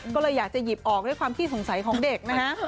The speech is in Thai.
ก็เลยอยากจะหยิบออกด้วยความขี้สงสัยของเด็กนะฮะ